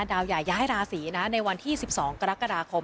ดาวใหญ่ย้ายราศีนะในวันที่๑๒กรกฎาคม